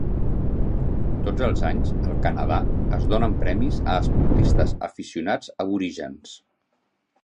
Tots els anys, al Canadà, es donen premis a esportistes aficionats aborígens.